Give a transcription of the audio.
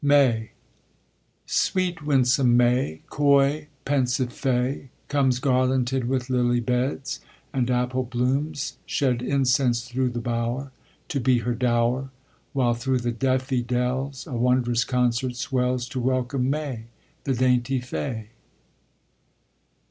MAY Sweet, winsome May, coy, pensive fay, Comes garlanded with lily beds, And apple blooms shed incense through the bow'r, To be her dow'r; While through the deafy dells A wondrous concert swells To welcome May, the dainty fay.